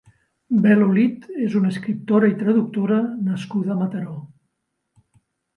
Bel Olid és una escriptora i traductora nascuda a Mataró.